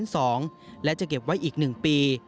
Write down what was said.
หน้าพระพุทธรูปบนสาราชั้น๒และจะเก็บไว้อีก๑ปี